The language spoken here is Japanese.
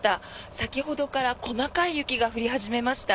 先ほどから細かい雪が降り始めました。